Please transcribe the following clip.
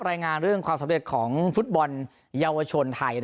รายงานเรื่องความสำเร็จของฟุตบอลเยาวชนไทย